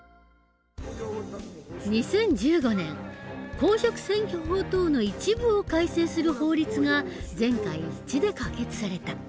２０１５年公職選挙法等の一部を改正する法律が全会一致で可決された。